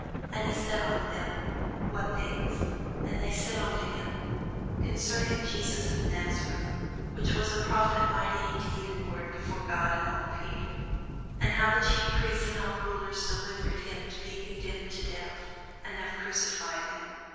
And he said unto them, What things? And they said unto him, Concerning Jesus of Nazareth, which was a prophet mighty in deed and word before God and all the people: and how the chief priests and our rulers delivered him to be condemned to death, and have crucified him.